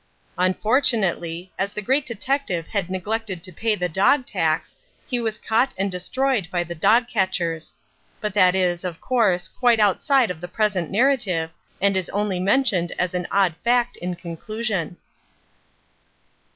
Unfortunately as the Great Detective had neglected to pay the dog tax, he was caught and destroyed by the dog catchers. But that is, of course, quite outside of the present narrative, and is only mentioned as an odd fact in conclusion.